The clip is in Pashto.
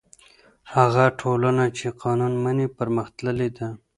هغه ټولنه چې قانون مني پرمختللې ده.